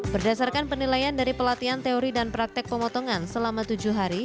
berdasarkan penilaian dari pelatihan teori dan praktek pemotongan selama tujuh hari